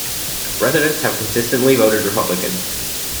Residents have consistently voted Republican.